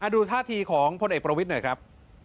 ดูท่าทีของพลเอกประวิทย์หน่อยครับ